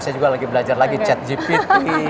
saya juga lagi belajar lagi chat gp